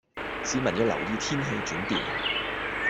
市民要留意天氣轉變